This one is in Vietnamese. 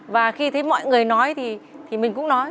và khi thấy mọi người nói thì mình cũng nói